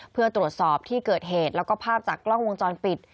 เพื่อตรวจสอบที่เกิดเหตุแล้วก็ภาพจากกล้องวงจรปิด